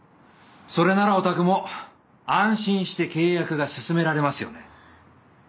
それならおたくも安心して契約が進められますよね？